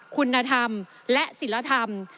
คุณธรรมและศิลธรรม